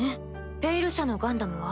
「ペイル社」のガンダムは？